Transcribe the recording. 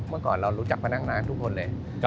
เมื่อก่อนเรารู้จักพนักงานทุกคนเลย